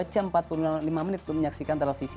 empat jam empat puluh lima menit untuk menyaksikan televisi